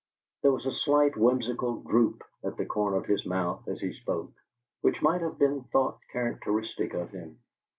There was a slight whimsical droop at the corner of his mouth as he spoke, which might have been thought characteristic of him.